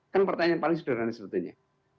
kan pertanyaan paling sederhana sebetulnya